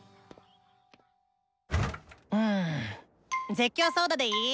絶叫ソーダでいい？